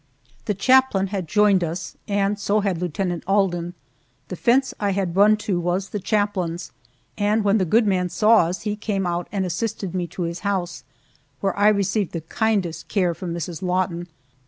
The chaplain had joined us, and so had Lieutenant Alden. The fence I had run to was the chaplain's, and when the good man saw us he came out and assisted me to his house, where I received the kindest care from Mrs. Lawton.